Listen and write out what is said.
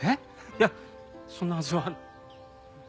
いやそんなはずは。